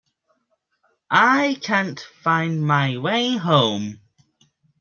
I can't find my way home!